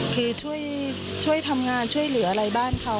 คือช่วยทำงานช่วยเหลืออะไรบ้านเขา